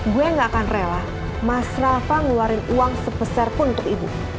gue gak akan rela mas rafa ngeluarin uang sebesar pun untuk ibu